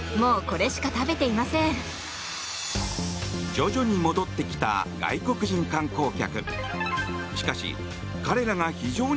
徐々に戻ってきた外国人観光客。